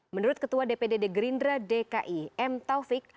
menurut ketua dpd gerindra dki m taufik